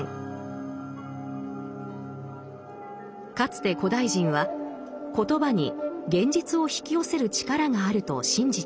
かつて古代人は言葉に現実を引き寄せる力があると信じていました。